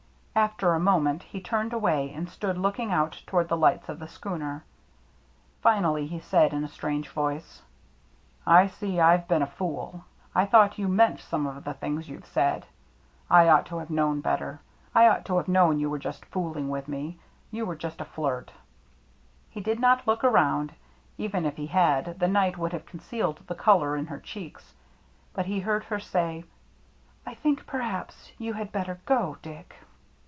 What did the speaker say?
After a mo ment he turned away and stood looking out toward the lights of the schooner. Finally he said, in a strange voice, " I see I've been a fool — I thought you meant some of the things you've said — I ought to have known better ; AT THE HOUSE ON STILTS 89 I ought to have known you were just fooling with me — you were just a flirt." He did not look around. Even if he had, the night would have concealed the color in her cheeks. But he heard her say, " I think perhaps — you had better go, Dick."